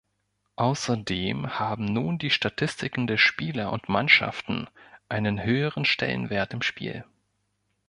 Außerdem haben nun die Statistiken der Spieler und Mannschaften einen höheren Stellenwert im Spiel.